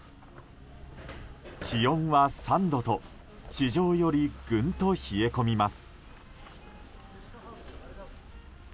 気温は３度と、地上よりぐんと冷え込みます。